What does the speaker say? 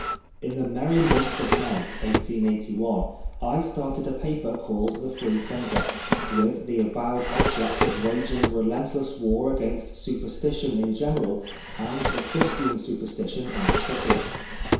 In the merry month of May, 1881, I started a paper called the Freethinker^ with the avowed object of waging " relentless war against Superstition in genera^ and the Christian Superstition in particular.